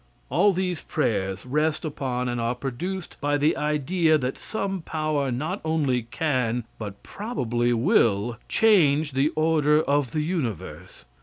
All these prayers rest upon, and are produced by the idea that some power not only can, but probably will, change the order of the universe.